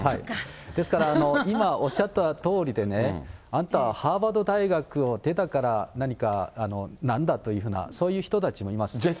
だから今おっしゃったとおりでね、あんたはハーバード大学を出たから、何か、なんだというような、そういう人たちもいます。